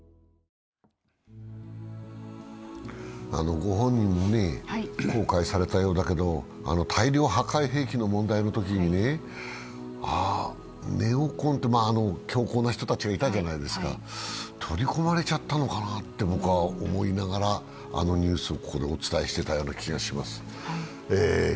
ご本人も後悔されたようだけど大量破壊兵器の問題のときに、ああネオコンって、強硬な人たちがいたじゃないですか、取り込まれちゃたのかなと僕は思いながら、あのニュースをここでお伝えしてたような気がします。